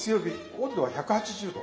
温度は１８０℃。